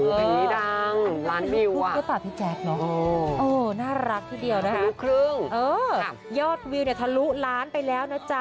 โอ้ยนี่ดังร้านวิวอะน่ารักที่เดียวนะคะยอดวิวเนี่ยทะลุล้านไปแล้วนะจ๊ะ